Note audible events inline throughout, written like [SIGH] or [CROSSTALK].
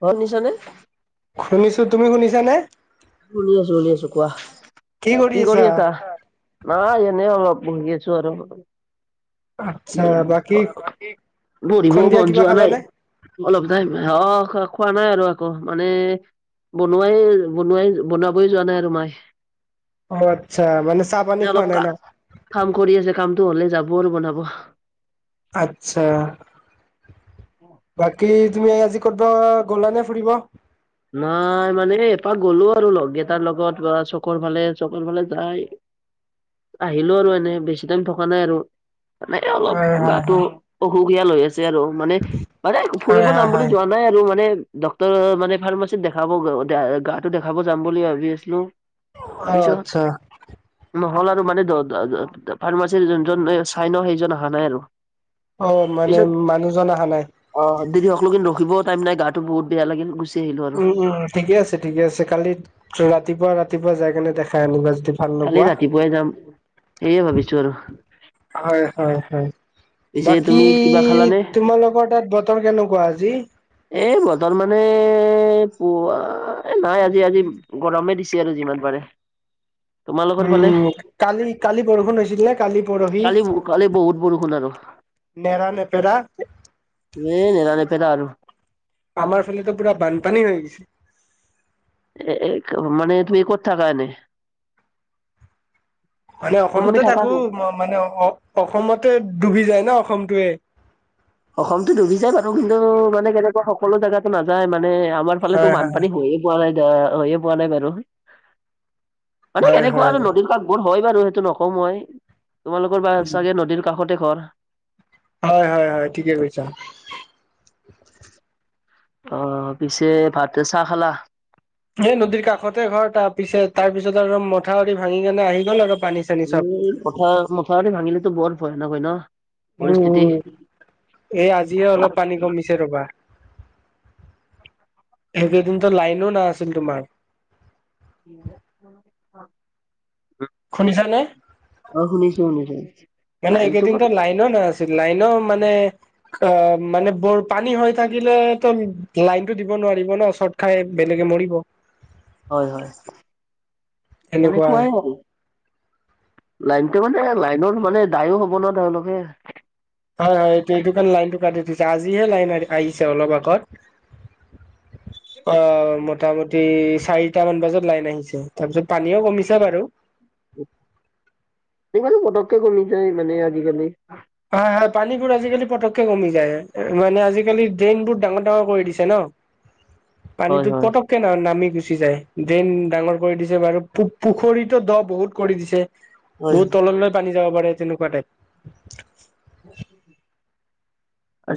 শুনিচনে? শুনিছোঁ, তুমি শুনিছানে? শুনি আছো শুনি আছো কোৱা। কি কৰি আছা? না এনেই অলপ বহি আছো আৰু। বাকী বহিবও সন্ধিয়া মন কিবা যোৱা নাই। খালানে অলপ টাইম অ খোৱ খোৱা নাই আৰু আকৌ মানে বনোৱাই বনোৱাই বনাবই যোৱা নাই আৰু মায়ে। অ আচ্ছা মানে চাহ পানী খোৱা অলপ নাই কা না? কাম কৰি আছে কামটো হলে যাব আৰু বনাব। আচ্ছা। বাকী তুমি আজি কতবা গ'লা নে ফুৰিব? নাই মানে এপাক গ'লো আৰু লগ কেইটাৰ লগত চকৰ ফালে চকৰ ফালে যাই [INAUDIBLE] আহিলো আৰু এনে বেছি টাইম থকা নাই আৰু। মানে অলপ হয় হয় গাটো অসুখীয়াল হৈ আছে আৰু, মানে মানে হয় ফুৰিব হয় যাম বুলি হয় যোৱা ন নাই আৰু মানে ডক্টৰৰ মানে ফাৰ্মাছিত দেখাব গাটো দেখাব যাম বুলি ভাবি আছিলো। হয় অ তাৰপিছত আচ্ছা নহ'ল আৰু মানে ফাৰ্মাচীৰ যোনজন চাইন সেইজন অহা নাই আৰু। অ মানে পিছত মানুহজন আহা নাই। অ দেৰি সকলো কিন্তু ৰখিব টাইম নাই গাটো বহুত বেয়া লাগিল গুছি উম উম ঠিকে আছে ঠিকে আছে, কালি ৰাতিপুৱা ৰাতিপুৱা যাই কেনে দেখাই আনিবা যদি। ভাল কালি নোপোৱা ৰাতিপুৱাই যাম সেয়ে ভাবিছো আৰু। হয় হয় হয়। পিছে বাকী তুমি কিবা খালানে তোমালোকৰ তাত বতৰ কেনেকুৱা আজি? এই বতৰ মানে পোৱা নাই আজি আজি গৰমে দি ছে আৰু যিমান পাৰে। [INAUDIBLE] তোমালোকৰ ফালে উম কালি কালি বৰষুণ হৈছিল নে কালি পৰহি? কালি কালি বহুত বৰষুণ আৰু নেৰা নেপেৰা। এ নেৰা নেপেৰা আৰু। আমাৰ ফালেতো পুৰা বানপানী হৈ গৈছে। এ এ মানে তুমি ক'ত থাকা এনে? মানে অ তুমি অসমতে থাকা থাকো ক'ত? মানে অ অসমতে ডুবি যায় ন অসমটোৱে। অসমতো ডুবি যায় বাৰু, কিন্তু মানে কেনেকুৱা সকলো জেগাত নাযায়, মানে আমাৰ ফালেতো হয় হয় বানপানী হয়ে পোৱা নাই দিয়া হৈয়ে পোৱা নাই বাৰু। মানে হয় কেনেকুৱা হয় আৰু নদীখন মোৰ হয় বাৰু সেইটো নকওঁ মই তোমালোকৰ বা চাগে নদীৰ কাষতে ঘৰ হয় হয় হয় ঠিকে কৈছা [INAUDIBLE] অ পিছে ভাতে চাহ খালা সে নদীৰ কাষতে ঘৰ, তাৰ পিছে তাৰ পিছত আৰু মথাউৰি ভাঙি কেনে আহি গ'ল আৰু পানী। চানী চব এই পথাৰ মথাউৰি ভাঙিলেতো বৰ ভয়ানক হয় ন? উম পৰিস্থিতি উম এই আজিয়ে অলপ পানী কমি ছে ৰবা সেইকেইদিনতো লাইনো নাছিল তোমাৰ। [UNINTELLIGIBLE] শুনিছানে অ শুনিছো শুনিছো, নাই তোমাৰ ন ন আছিল লাইন মানে অ মানে বৰ পানী হৈ থাকিলে তো লাইনটো দিব নোৱাৰিব ন চত খাই বেলেগে মৰিব হয় হয় সেনেকুৱা হয় এনেকুৱাই লাইনটো মানে লাইনৰ মানে দায়ো হব ন তেওঁলোকে হয় হয় এইটো এইটো কাৰণে লাইনটো কাটি দিছে আজিহে লাইন আহিছে অলপ আগত [INAUDIBLE] অ মোটামুটি চাৰিটা মান বজাত লাইন আহিছে তাৰপিছত পানীও কমিছে বাৰু ইমান পটককে কমি যায় মানে আজিকালি হয় হয় পানী বোৰ আজিকালি পটককে কমি যায় মানে আজিকালি ড্ৰেইন বোৰ ডাঙৰ ডাঙৰ কৰি দিছে ন হয় পানীটো হয় পটক কে নামি গুচি যায় ডেন ডাঙৰ কৰি দিছে বাৰু পু পুখুৰীতো দ বহুত কৰি দিছে হয়। বহুত তললৈ পানী যাব পাৰে তেনেকুৱা টাইপ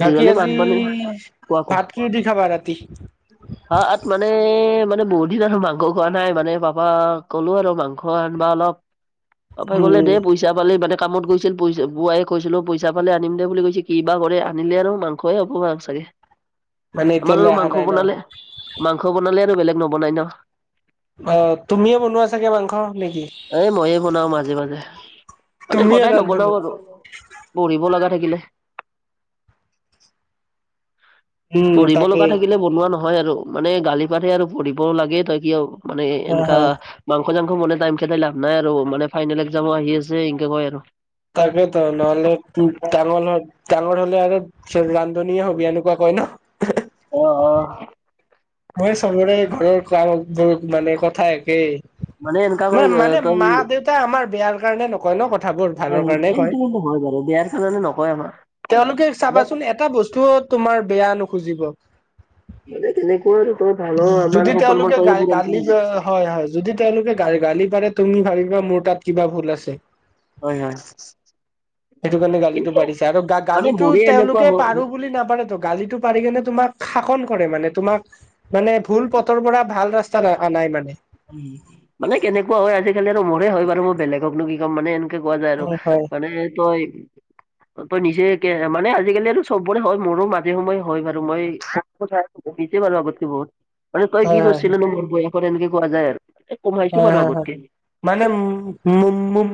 বাকী আজি বানপানী কোৱা কোৱা ভাত কি দি খাবা ৰাতি ভাত মানে মানে বহুত দিন আৰু মাংস খোৱা নাই মানে পাপাক ক'লো আৰু মাংস আনবা অলপ [INAUDIBLE] পাপাই ক'লে, উম দে পই পইচা পালে মানে, কামত গৈছিল। [UNINTELLIGIBLE] বুঢ়ায়ে কৈছিল, পইচা পালে আনিম দে বুলি কৈছে, কি বা কৰে! আনিলে আৰু মাংসই হ'ব। [UNINTELLIGIBLE] মানে, আমাৰ আৰু এতিয়ালৈ অহা মাংস নাই, ন'? বনালে মাংস বনালে আৰু বেলেগ নবনাই ন'? অ'! তুমিয়ে বনোৱা চাগে মাংস, নেকি? এ, মইয়ে বনাও মাজে মাজে। মানে, তুমিয়ে সদায় ৰান্ধনী নবনাও আৰু। পঢ়িব লগা থাকিলে, উম পঢ়িব লগা তাকেই থাকিলে বনোৱা নহয় আৰু। মানে, গালি পাৰে আৰু পঢ়িব লাগে, তই কিয় মানে, অ হ এনেকা। মাংস-চাংস বনাই টাইম, খেদাই লাভ নাই আৰু। মানে, ফাইনেল এক্সামো আহি আছে, এনেকে কয় আৰু। তাকেতো, নহ'লে ডাঙৰ, ডাঙৰ হ'লে আৰু ধনীয়ে হ'বি এনেকুৱা কয় ন'? অ' অ'! মই চবৰে, ঘৰৰ কামবোৰ মানে, কথা একে। মানে এনেকা কৈ নহয় মানে, তই মা-দেউতা আমাৰ বেয়াৰ কাৰণে, নকয় ন' কথা। এইটো হয় বাৰু! বেয়াৰ কাৰণে নকয়, আমাক। তেওঁলোকে চাবাচোন, এটা বস্তু তোমাৰ, বেয়া নুখুজিব। যদি তেওঁলোকে গা গালি [UNINTELLIGIBLE] হয় হয় যদি তেওঁলোকে, গা গালি পাৰে, তুমি ভাবিবা! মোৰ তাত কিবা ভুল আছে। হয়, হয়। সেইটো কাৰণে, গালিটো কিন্তু পাৰিছে আৰু। মানে গালিটো মোৰে এনেকুৱা তেওঁলোকে, হ পাৰোঁ বুলি নাপাৰেতো? গালিটো পাৰি কেনে, তোমাক শাসন কৰে মানে, তোমাক। মানে, ভুল পথৰ পৰা, ভাল ৰাস্তাত অনাই মানে। উম, মানে কেনেকুৱা হয়, আজিকালি আৰু মোৰে হয় বাৰু। মই বেলেগকনো কি কম! মানে, এনে কোৱা যাই আৰু। হয় হয় মানে, তই তই নিজে, একে মানে, আজিকালি আৰু চবৰে হয়। মোৰো মাজে সময়ে হয় বাৰু। মই [UNINTELLIGIBLE] দিছে বাৰু আগতে বহুত। মানে, তই কি হয় হয় কৰিছিলি নো? এনেকে কোৱা যায় আৰু। এ কমাইছো হয়, বাৰু হয়। আগতকে মানে, [UNINTELLIGIBLE]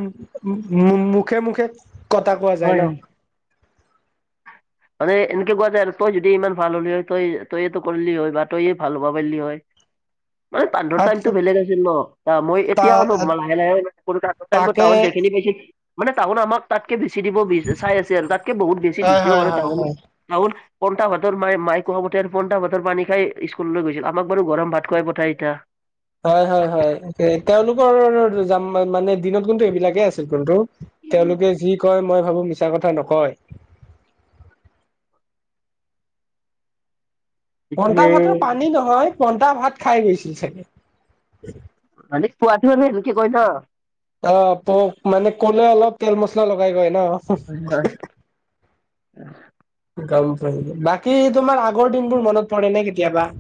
মুখে-মুখে হয়, হয়। [INAUDIBLE] মানে, এনেকে কোৱা যায় আৰু! তই যদি ইমান ভাল হলি হয়, তই তইটো কৰিলি হয় বা তইয়ে ভাল হ'ব পাৰিলি হয়। [INAUDIBLE] মানে, বান্ধৰ আচ্ছা, টাইমটো বেলেগ আছিল ন'! মই তা এতিয়া, [UNINTELLIGIBLE] লাহে-লাহে সেইটো, টাইমত তাকে [UNINTELLIGIBLE] দেখিলি, দেখি। মানে, চাউল আমাক, তাতকে বেছি দিব চাই আছে আৰু তাতকে, বহুত বেছি হয় দিছেও হয় বাৰু হয় চাউল, হয়। চাউল। পইতা ভাতৰ মায়ে, মায়ে কোৱা মতে, পইতা ভাতৰ পানী খাই, স্কুললৈ গৈছিলোঁ। আমাক বাৰু গৰম ভাত খোৱাই পঠাই এতিয়া। হয়, হয়, হয়। তেওঁলোকৰ [UNINTELLIGIBLE] মানে, দিনত কিন্তু, এইবিলাকে আছিল, কিন্তু। তেওঁলোকে যি কয়, মই ভাবোঁ! মিছা কথা নকয়। পইতা এ ভাতৰ পানী নহয়, পইতা ভাত খাই গৈছিল, চাগে। [UNINTELLIGIBLE] অ'! [UNINTELLIGIBLE] মানে ক'লে, অলপ তেল মছলা লগাই কৈ ন'। হয় হয়! [INAUDIBLE] গম পাই। বাকী, তোমাৰ আগৰ দিনবোৰ, মনত পৰেনে কেতিয়াবা?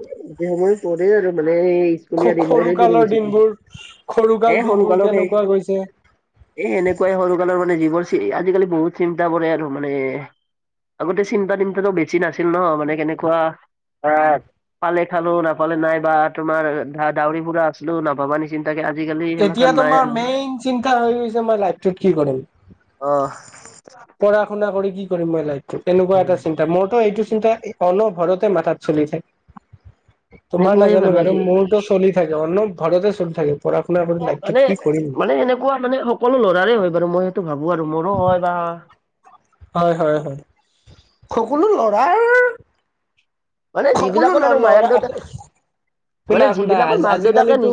[UNINTELLIGIBLE] পৰে আৰু মানে স্কুলীয়া দিনবোৰে পৰি সৰুকালৰ গৈছিলে দিনবোৰ, এ সৰুকাল দিনবোৰ, সৰুকালৰ সেই কেনেকুৱা গৈছে? এ, সেনেকুৱাই সৰুকালৰ, মানে যিবোৰ, আজিকালি বহুত চিন্তা কৰে আৰু মানে। আগতে, চিন্তা-তিন্তাটো বেছি নাছিল ন'। মানে, কেনেকুৱা [UNINTELLIGIBLE] পালে খালোঁ, নাপালে নাই বা তোমাৰ ধৰা, [UNINTELLIGIBLE] আছিলোঁ, নাভাবা নিচিন্তাকে। আজিকালি এতিয়া, সেইগিলাখান নাই তোমাৰ আৰু। মেইন চিন্তা হৈ গৈছে, মই লাইফটোত কি কৰিম! অ। পঢ়া শুনা কৰি কি কৰিম মই লাইফটো? তেনেকুৱা এটা চিন্তা, মোৰতো এইটো চিন্তা অনভৰতে মাথাত চলি থাক, তোমাৰ এনেকুৱাই নাজানো বাৰু। আজি মোৰটো চলি থাকে অনভাৰতে চলি থাকে। পঢ়া শুনা কৰি লাইফটোত মানে কি কৰিম মানে এনেকুৱা মানে সকলো ল'ৰাৰে হয় বাৰু, মই সেইটো ভাবো আৰু মোৰো হয় বা হয়, হয়, হয়। সকলো ল'ৰাৰ মানে সকলো যিবিলাকৰ আৰু ল'ৰা মায়াক দেউতা শুনা, শুনা। আজি-কালি নি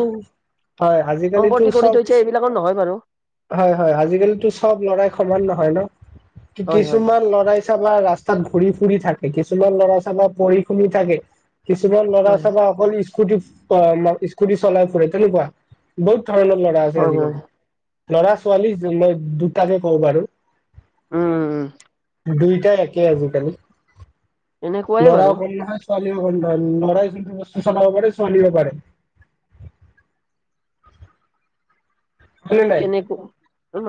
আজি-কালিতো সম্পত্তি কৰি চব থৈছে এইবিলাকৰ নহয় বাৰু হয়, হয়। আজি-কালিটো চব লৰাই সমান নহয় ন? কি হয় হয় কিছুমান ল'ৰাই চাবা ৰাস্তাত ঘূৰি ফুৰি থাকে। কিছুমান ল'ৰা চাবা পঢ়ি শুনি থাকে। কিছুমান ল'ৰা হয় চবা অকল স্কুটিত অ আম স্কুটি চলাই ফুৰে তেনেকুৱা বহুত ধৰণৰ ল'ৰা আছে হয় হয় আজি-কালি। লৰা-ছোৱালী যো দুটাকে কওঁ বাৰু। উম, উম, উম। দুইটাই একে আজি-কালি। এনেকুৱাই ল'ৰাও বাৰু কম নহয় ছোৱালীও কম নহয়। ল'ৰাই যোনটো বস্ত চলাব পাৰে ছোৱালীও পাৰে। হয়নে এ নাই কেনেকু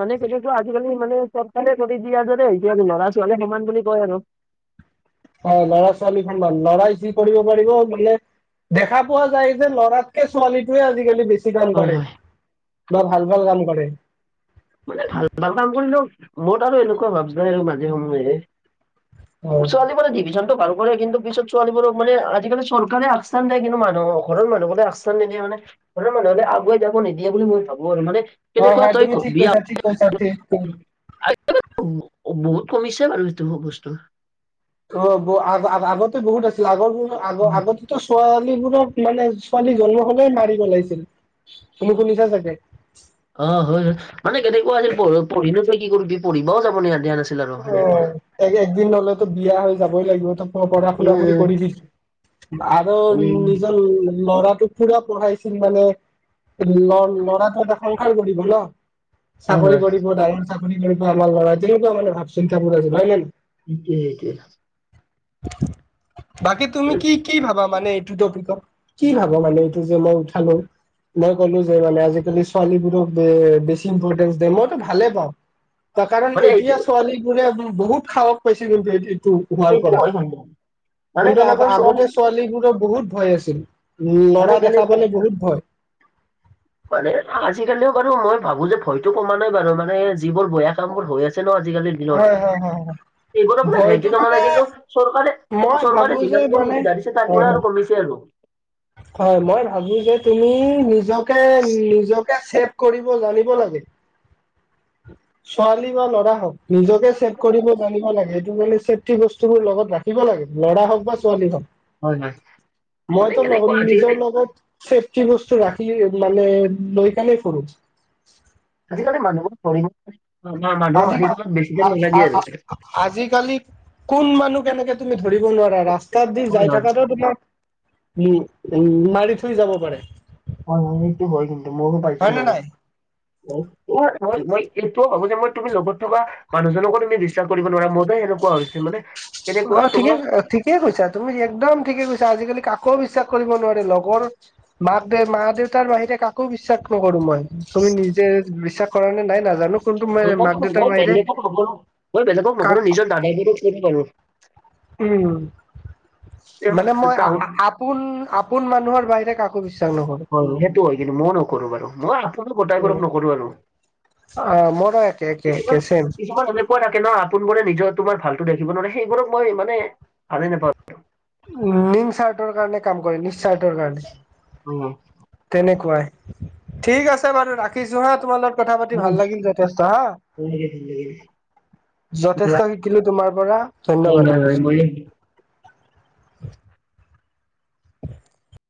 মানে হেইটোতো আজি-কালি মানে চৰকাৰে কৰি দিয়া দৰে হৈছে আৰু ল'ৰা ছোৱালীয়ে সমান বুলি কয় আৰু। অ ল'ৰা-ছোৱালী সমান। ল'ৰাই যি কৰিব পাৰিব মানে দেখা পোৱা যায় যে ল'ৰাতকে ছোৱালীটোৱে আজি-কালি বেছি ছি কাম হয় কৰে হয়। বা ভাল ভাল কাম কৰে। মানে ভাল ভাল কাম কৰিলেও মোৰ তাৰ মানে এনেকুৱা ভাৱ যায় মাজে সময়ে হয় ছোৱালীবোৰে ডিবিজনতো বাৰু কৰে কিন্তু পিছত ছোৱালীবোৰক মানে আজি-কালি চৰকাৰে আগস্থান দিয়ে কিন্তু মানুহ ঘৰৰ মানুহবোৰে আগস্থান নিদিয়ে মানে। ঘৰৰ মানুহে মানে আগুৱাই যাব নিদিয়ে বুলি মই ভাবো আৰু মানে হয়, কেনেকুৱা হয় তই তুমি ঠিক বিয়া কৈছা, ঠিক কৈছা, ঠিক [UNINTELLIGIBLE] বহুত কমিছে বাৰু সেইটো বস্তু। অ আ-আ-আগতে বহুত আছিল। আগৰ আগ আগতে টো ছোৱালীবোৰক মানে ছোৱালী জন্ম হ'লেই মাৰি পেলাইছিল। তুমি শুনিছা চাগে? অ হয় হয় মানে কেনেকুৱা আছিল পঢ় পঢ়ি নো তই কি কৰিবি পঢ়িবাও যাব দিয়া নাছিল। আৰু অ সেনেকুৱা। এক একদিন হ'লেতো বিয়া হৈ যাবই লাগিব তো পঢ়া-শুনা উম কৰি উম কৰিবি কি আৰু মানে নিজৰ ল-ল'ৰাটোক পুৰা পঠাইছিল মানে ল ল'ৰাটো এটা সংসাৰ কৰিব ন। হয় হয়। চাকৰি কৰিব ডাঙৰ চাকৰি কৰিব আমাৰ ল'ৰাটোৱে। তেনেকুৱা মানে ভাৱ চিন্তাবোৰ আছিল, হয় নে নহয়? সেইটোৱে, সেইটোৱে। বাকী তুমি এই কি- কি ভাবা মানে টো টপিকত কি ভাবা মানে এইটো যে মই উঠালো। মই ক'লো যে মানে আজি-কালি ছোৱালীবোৰক এ বেছি ইম্পৰ্টেন্ঞ্চ দিয়ে, মইতো ভালে পাওঁ। ত কাৰণ মানে এইটো এতিয়া ছোৱালীবোৰে বহুত সাহস পাইছে কিন্তু এ-এইটো কোৱাৰ সেইটো পৰা, হয় মানে মানে কিন্তু কেনেকুৱা চোৱা আ-আগতে ছোৱালীবোৰৰ বহুত ভয় আছিল। উম, মানে ল'ৰা দেখা কেনেকুৱা পালে বহুত ভয়। মানে আজি-কালিও বাৰু মই ভাবো যে ভয়তো কমা নাই বাৰু। মানে যিবোৰ বয়া কাম বোৰ হৈ আছে ন আজিকালি হয়, হয়, হয়, হয়। এইবোৰৰ পৰা [UNINTELLIGIBLE] নাই ভয়টো মানে কিন্তু মই ভাবো চৰকাৰে-চৰকাৰে যে যিমানবোৰ মানে সুবিধা দিছে তাৰ হয় পৰা হয় আৰু কমিচ ছে আৰু। হয়, মই ভাবো যে তুমি নিজকে- নিজকে ছেভ কৰিব জানিব লাগে। ছোৱালী বা ল'ৰা হওঁক নিজকে চেভ কৰিব জানিব লাগে, এইটো মানে চে ফটি বস্তুবোৰ লগত ৰাখিব লাগে, ল'ৰা হওঁক বা ছোৱালী হওঁক। হয় হয়। মানে মইতো লগ কেনেকুৱা আজিকালি নিজৰ লগত চেফ্টি বস্তু ৰাখি মানে লৈ কানেই ফুৰো। আজিকালি মানুহবোৰ [UNINTELLIGIBLE] মানুহৰ আজি মাৰি দিব বেছি টাইম নালাগে আৰু। আজিকালি কোন মানুহ কেনেকে তুমি ধৰিব নোৱাৰা, ৰাস্তাত দি হয় যাই হয় থাকাতেও তুমি উম- উম মাৰি থৈ যাব পাৰে। হম সেইটো হয় কিন্তু মইওঁ পাইছো হয় নে বাৰু। নাই মই- মই এইটোও ভাবো যে মই তুমি লগত থকা মানুহজনকো তুমি বিশ্বাস কৰিব নোৱাৰা মোৰটো সেনেকুৱা হৈছে মানে কেনেকুৱা অ', ঠিকে তোমাক ঠিক ঠিকে কৈছা তুমি একদম ঠিকে কৈছা আজিকালি কাকো বিশ্বাস কৰিব নোৱাৰে লগৰ মাক দেউ মা দেউতাৰ বাহিৰে কাকো বিশ্বাস নকৰো মই। তুমি নিজে বিশ্বাস কৰা নে নাই নাজানো। কিন্তু মই মাক দেউতাৰ মই বাহিৰে বেলেগক নকৰো, মই বেলেগক কাক নকৰো নিজৰ [UNINTELLIGIBLE] পাৰো। উম, মানে তেওঁ- মই আ তাহো- আ আপোন- আপোন মানুহৰ বাহিৰে কাকো বিচ হয়, সেইটো হয় কিন্তু মই নকৰো বাৰু মই আপোনো উম গোটাইবোৰক নকৰো বাৰু। অ', মৰো একে একে-একে চেম। কিছুমান এনেকুৱা থাকে ন আপোন বোৰে নিজৰ তোমাৰ ভালতো দেখিব নোৱাৰে সেইবোৰক মই মানে ভালে নাপাওঁ। নিম স্বাৰ্থৰ কাৰণে কাম কৰে নি স্বাৰ্থৰ কাৰণে। উম। তেনেকুৱাই, ঠিক আছে বাৰু ৰাখিছোঁ হাঁ তোমা লগ কথা পাতি হয় ভাল হয় লাগিল যথেষ্ট হা, হয় হয়, যথেষ্ট খি শিকিলোঁ তোমাৰ পৰা। ধন্যবাদ হয় মই ৰাখিছো মইও [UNINTELLIGIBLE] [UNINTELLIGIBLE]